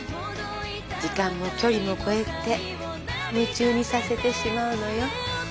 時間も距離も超えて夢中にさせてしまうのよ。